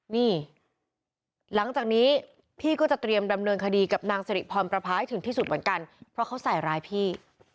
นี่หลังจากนี้พี่ก็จะเตรียมดำเนินคดีกับนางสิริพรประพาให้ถึงที่สุดเหมือนกันเพราะเขาใส่ร้ายพี่